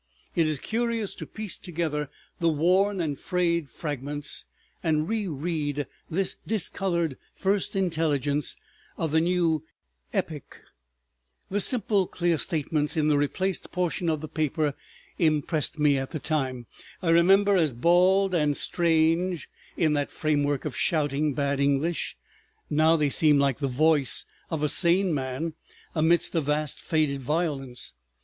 It is curious to piece together the worn and frayed fragments, and reread this discolored first intelligence of the new epoch. The simple clear statements in the replaced portion of the paper impressed me at the time, I remember, as bald and strange, in that framework of shouting bad English. Now they seem like the voice of a sane man amidst a vast faded violence.